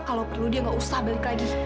kalau perlu dia nggak usah balik lagi